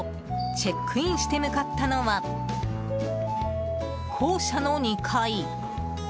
チェックインして向かったのは校舎の２階。